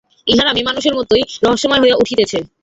ইহারা মেয়েমানুষের মতোই রহস্যময় হইয়া উঠিতেছে।